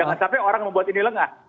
jangan sampai orang membuat ini lengah